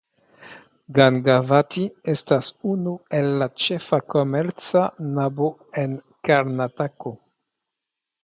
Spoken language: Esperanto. Gangavati estas unu el la ĉefa komerca nabo en Karnatako.